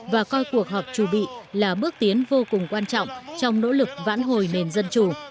và coi cuộc họp chủ bị là bước tiến vô cùng quan trọng trong nỗ lực vãn hồi nền dân chủ